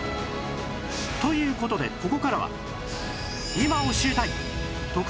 という事でここからは